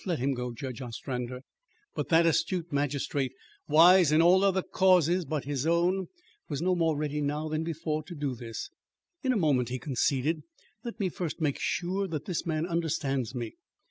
Let him go, Judge Ostrander." But that astute magistrate, wise in all other causes but his own, was no more ready now than before to do this. "In a moment," he conceded. "Let me first make sure that this man understands me.